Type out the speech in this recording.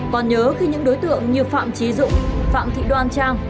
còn nhớ khi những đối tượng như phạm trí dũng phạm thị đoan trang